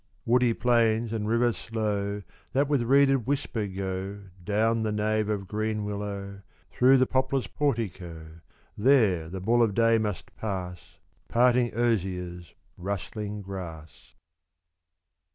Woody plains and rivers slow That with reeded whisper go Down the nave of green willow Through the poplar's portico There the Bull of day must pass Parting osiers, rustling grass.